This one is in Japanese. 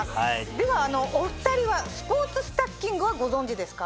ではお二人はスポーツスタッキングはご存じですか？